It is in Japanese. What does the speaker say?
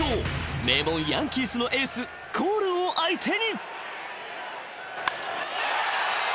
名門ヤンキースのエースコールを相手に］